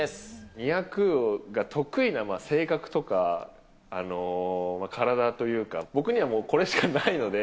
２００が得意な性格とか体というか、僕にはもうこれしかないので。